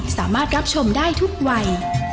สามารถรับชมได้ทุกวัย